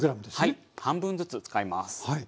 はい半分ずつ使います。